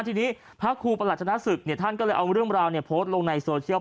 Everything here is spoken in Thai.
ทีนี้พระครูประหลัชนะศึกท่านก็เลยเอาเรื่องราวโพสต์ลงในโซเชียล